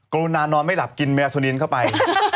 กรุณานอนไม่หลับกินแมวสุนินเข้าไป